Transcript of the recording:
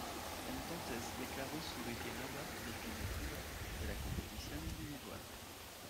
Entonces declaró su retirada definitiva de la competición individual.